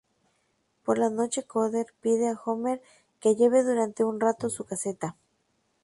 Por la noche Cooder pide a Homer que lleve durante un rato su caseta.